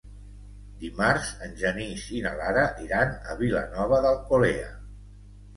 Dimarts en Genís i na Lara iran a Vilanova d'Alcolea.